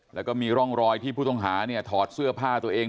แล้วก็มีร่องรอยที่ผู้ต้องหาเนี่ยถอดเสื้อผ้าตัวเอง